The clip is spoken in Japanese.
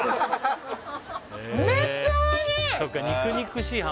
めっちゃおいしい！